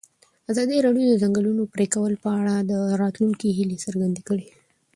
ازادي راډیو د د ځنګلونو پرېکول په اړه د راتلونکي هیلې څرګندې کړې.